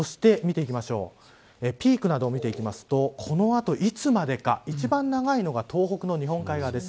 ピークなどを見ていくとこの後、いつまでか一番長いのが東北の日本海側です。